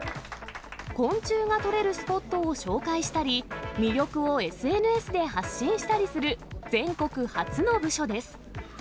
昆虫が捕れるスポットを紹介したり、魅力をＳＮＳで発信したりする全国初の部署です。